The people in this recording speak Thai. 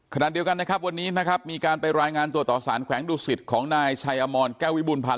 ขณะเดียวกันนะครับวันนี้นะครับมีการไปรายงานตัวต่อสารแขวงดุสิตของนายชัยอมรแก้ววิบูรพันธ